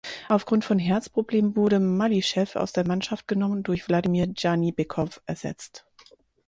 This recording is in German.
Aufgrund von Herzproblemen wurde Malyschew aus der Mannschaft genommen und durch Wladimir Dschanibekow ersetzt.